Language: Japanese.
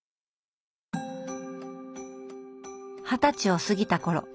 二十歳を過ぎた頃。